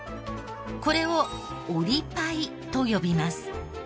これを折りパイと呼びます。